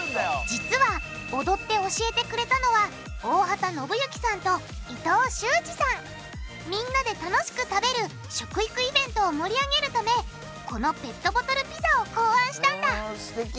実は踊って教えてくれたのはみんなで楽しく食べる食育イベントを盛り上げるためこのペットボトルピザを考案したんだすてき！